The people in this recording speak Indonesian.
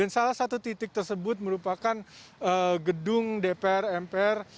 salah satu titik tersebut merupakan gedung dpr mpr